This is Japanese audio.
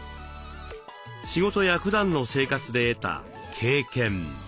仕事やふだんの生活で得た「経験」。